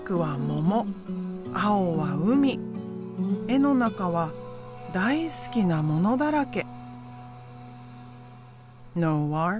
絵の中は大好きなものだらけ。